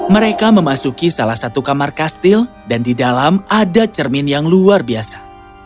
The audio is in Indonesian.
mereka memasuki salah satu kamar kastil dan di dalam ada cermin yang luar biasa